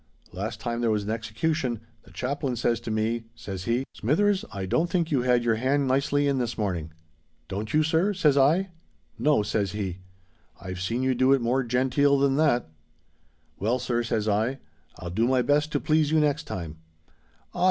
Last time there was an execution, the Chaplain says to me, says he, 'Smithers, I don't think you had your hand nicely in this morning?'—'Don't you, sir?' says I.—'No,' says he; 'I've seen you do it more genteel than that.'—'Well, sir,' says I, 'I'll do my best to please you next time.'—'_Ah!